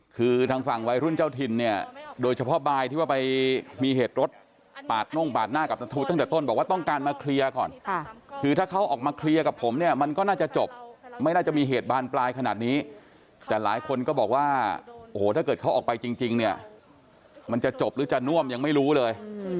คือทางฝั่งวัยรุ่นเจ้าถิ่นเนี่ยโดยเฉพาะบายที่ว่าไปมีเหตุรถปาดน่งปาดหน้ากับนัทธูตั้งแต่ต้นบอกว่าต้องการมาเคลียร์ก่อนคือถ้าเขาออกมาเคลียร์กับผมเนี่ยมันก็น่าจะจบไม่น่าจะมีเหตุบานปลายขนาดนี้แต่หลายคนก็บอกว่าโอ้โหถ้าเกิดเขาออกไปจริงเนี่ยมันจะจบหรือจะน่วมยังไม่รู้เลย